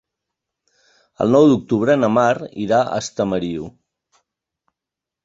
El nou d'octubre na Mar irà a Estamariu.